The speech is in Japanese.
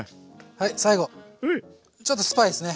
はい最後ちょっとスパイスね。